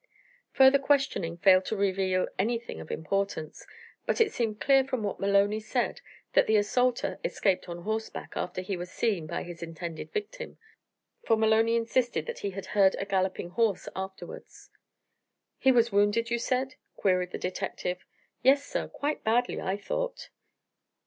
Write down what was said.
Further questioning failed to reveal anything of importance, but it seemed clear from what Maloney said that the assaulter escaped on horseback after he was seen by his intended victim, for Maloney insisted that he had heard a galloping horse afterwards. "He was wounded, you said?" queried the detective. "Yes, sir, quite badly, I thought."